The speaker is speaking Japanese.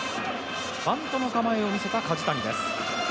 バントの構えを見せた梶谷です。